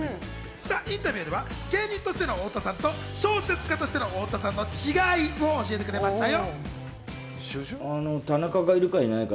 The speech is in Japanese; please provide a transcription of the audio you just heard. インタビューでは芸人としての太田さんと小説家としての太田さんの違いを教えてくれましたよ。